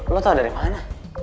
lo tau dari mana